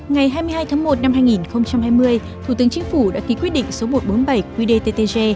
ngày hai mươi hai tháng một năm hai nghìn hai mươi thủ tướng chính phủ đã ký quyết định số một trăm bốn mươi bảy qdttg